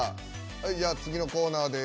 「じゃあ、次のコーナーです」。